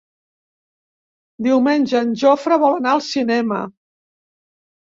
Diumenge en Jofre vol anar al cinema.